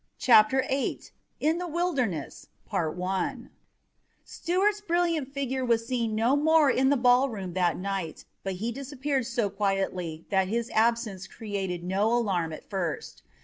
CHAPTER VIII IN THE WILDERNESS Stuart's brilliant figure was seen no more in the ballroom that night, but he disappeared so quietly that his absence created no alarm at first.